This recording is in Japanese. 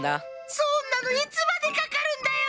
そんなのいつまでかかるんだよ。